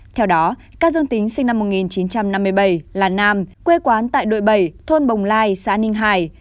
theo đó ca dương tính sinh năm một nghìn chín trăm năm mươi bảy là nam quê quán tại đội bảy thôn bồng lai xã ninh hải